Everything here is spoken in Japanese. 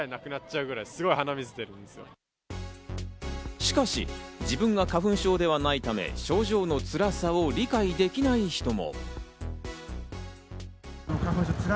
しかし、自分が花粉症ではないため、症状のつらさを理解できない人も。